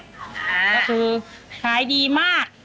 ก็คือขายดีมาก